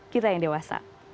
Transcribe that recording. kita yang dewasa